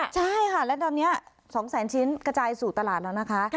ใช่ค่ะและตอนนี้๒แสนชิ้นกระจายสู่ตลาดแล้วนะคะ